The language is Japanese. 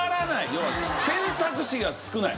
要は選択肢が少ない。